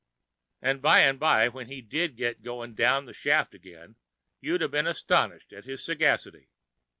An' by an' by when he did get to goin' down in the shaft ag'in, you'd 'a' been astonished at his sagacity.